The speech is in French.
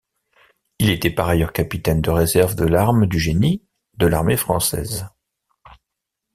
Il était par ailleurs capitaine de réserve de l'arme du génie de l'armée française.